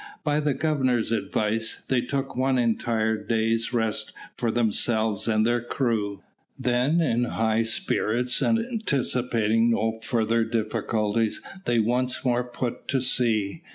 By the Governor's advice, they took one entire day's rest for themselves and their crew. Then, in high spirits, anticipating no further difficulties, they once more put to sea.